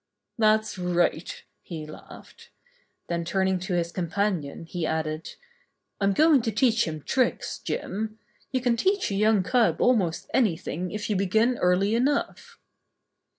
"That's right," he laughed. Then turning to his companion, he added: "I'm going to teach him tricks, J im. You can teach a young cub almost anything if you begin early enough."